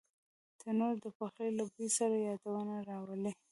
تنور د پخلي له بوی سره یادونه راولي